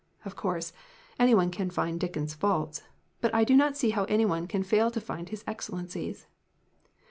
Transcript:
Of course, any one can find Dickens's faults but I do not see how any one can fail to find his ex cellences."